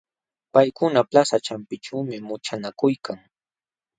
Paykuna plaza ćhawpinćhuumi muchanakuykan.